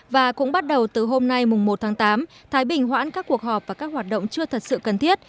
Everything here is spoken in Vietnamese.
và cũng bắt đầu từ hôm nay một tháng tám thái bình hoãn các cuộc họp và các hoạt động chưa thật sự cần thiết